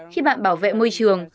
khi bạn bảo vệ môi trường